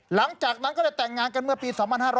หลังจากนั้นก็เลยแต่งงานกันเมื่อปี๒๕๕๙